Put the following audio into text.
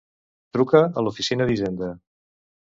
Truca a l'oficina d'hisenda.